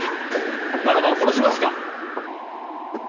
ならば殺しますか？